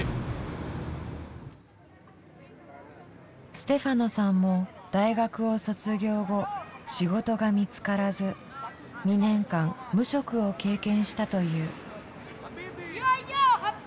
ステファノさんも大学を卒業後仕事が見つからず２年間無職を経験したという。